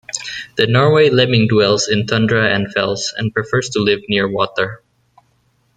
The Norway lemming dwells in tundra and fells, and prefers to live near water.